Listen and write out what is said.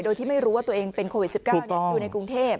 โดยที่ไม่รู้ว่าตัวเองเป็นโควิด๑๙อยู่ในกรุงเทพ